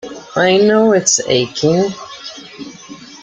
I know it's aching.